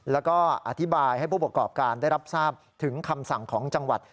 แล้วก็อธิบายให้ผู้ประกอบการได้รับทราบถึงคำสั่งของจังหวัด